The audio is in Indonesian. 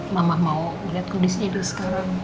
mama mau liat kondisi hidup sekarang